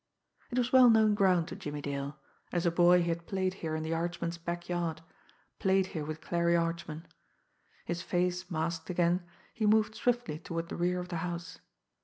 It was well known ground to Jimmie Dale as a boy he had played here in the Archman's backyard, played here with Clarie Archman. His face masked again, he moved swiftly toward the rear of the house.